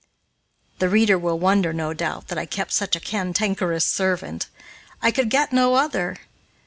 The reader will wonder, no doubt, that I kept such a cantankerous servant. I could get no other.